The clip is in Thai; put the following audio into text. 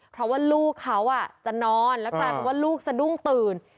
เพราะว่าลูกเขาจะนอนแล้วก็ลูกจะดุ้งตื่น